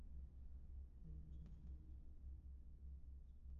আরমানিটোলা সরকারি উচ্চ বিদ্যালয়ের প্রথম প্রধান শিক্ষক ছিলেন জে. E Whitaker.